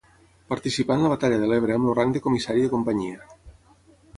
Participà en la batalla de l'Ebre amb el rang de Comissari de Companyia.